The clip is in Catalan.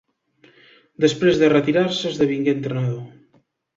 Després de retirar-se esdevingué entrenador.